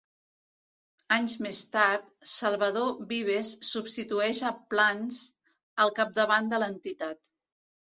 Anys més tard, Salvador Vives substitueix a Plans al capdavant de l'entitat.